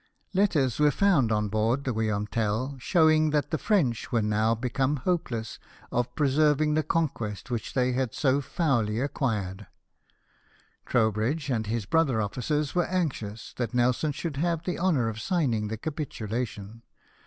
Letters were found on board the Guilla^mie Tell, showing that the French were now become hopeless IfELSOJ^f AND SIR SIDNEY SMITH. 207 of preserving the conquest which they had so foully acquired. Trowbridge and his brother officers were anxious that Nelson should have the honour of signing the capitulation.